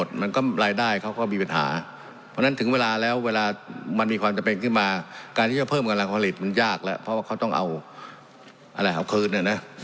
ทีนั้นยากละเพราะเขาต้องเอาอะไรเอาคืนอะนะ